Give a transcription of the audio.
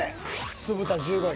酢豚１５位。